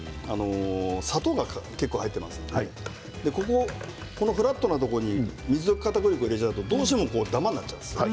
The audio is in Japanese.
砂糖が結構入っていますのでフラットなところに水溶きかたくり粉を入れるとダマになってしまうんです。